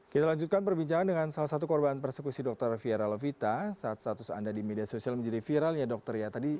kita lanjutkan perbincangan dengan salah satu korban persekusi dokter fiera lovita saat status anda di media sosial menjadi viral ya dokter ya